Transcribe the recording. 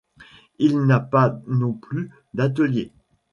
Il n'a pas non plus d'atelier.